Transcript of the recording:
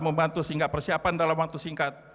membantu sehingga persiapan dalam waktu singkat